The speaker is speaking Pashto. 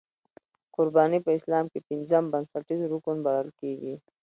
قرباني په اسلام کې پنځم بنسټیز رکن ګڼل کېږي.